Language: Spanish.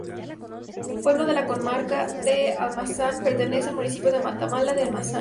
Pueblo de la Comarca de Almazán, pertenece al municipio de Matamala de Almazán.